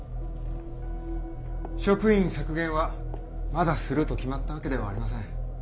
職員削減はまだすると決まったわけではありません。